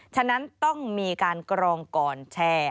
ฉะนั้นต้องมีการกรองก่อนแชร์